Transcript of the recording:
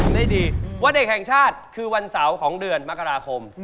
ได้ดีวันเด็กแห่งชาติคือวันเสาร์ของเดือนมกราคม